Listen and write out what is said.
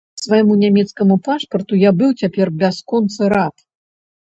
Свайму нямецкаму пашпарту я быў цяпер бясконца рад.